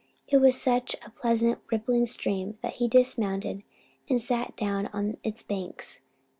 It was such a pleasant, rippling stream that he dismounted and sat down on its banks.